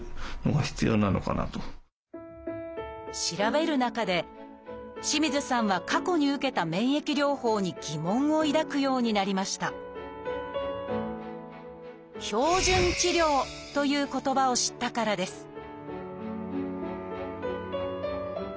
調べる中で清水さんは過去に受けた免疫療法に疑問を抱くようになりました「標準治療」という言葉を知ったからです